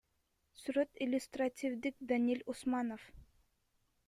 Сүрөт иллюстративдик, Даниль Усманов.